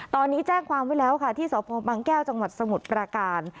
ตอนนี้แจ้งความไว้แล้วค่ะที่สพบังแก้วจังหวัดสมุทรปราการ